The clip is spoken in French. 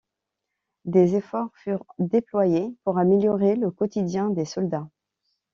Des efforts furent déployés pour améliorer le quotidien des soldats.